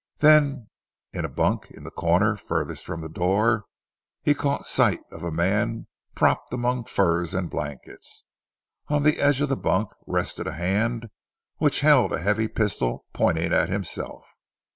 Then, in a bunk in the corner furthest from the door, he caught sight of a man propped among furs and blankets. On the edge of the bunk rested a hand which held a heavy pistol pointing at himself.